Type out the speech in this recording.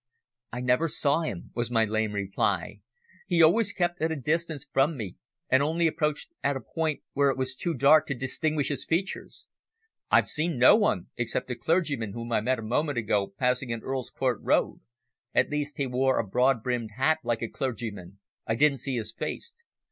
"I never saw him," was my lame reply. "He always kept at a distance from me and only approached at a point where it was too dark to distinguish his features." "I've seen no one, except a clergyman whom I met a moment ago passing in Earl's Court Road at least he wore a broad brimmed hat like a clergyman. I didn't see his face."